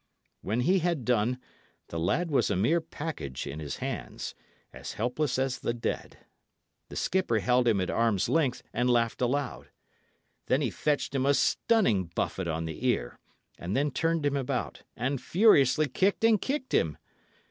When he had done, the lad was a mere package in his hands as helpless as the dead. The skipper held him at arm's length, and laughed aloud. Then he fetched him a stunning buffet on the ear; and then turned him about, and furiously kicked and kicked him.